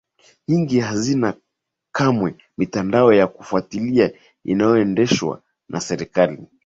nyingi hazina kamwe mitandao ya kufuatilia inayoendeshwa na serikali